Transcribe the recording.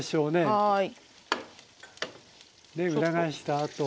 で裏返したあと。